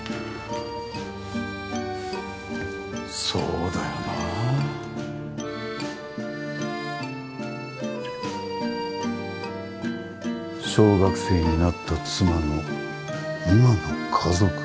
そうだよなあ小学生になった妻の今の家族？